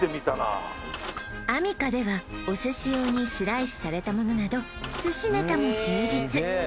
アミカではお寿司用にスライスされたものなど寿司ネタも充実